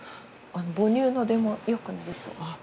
母乳の出も良くなりそう。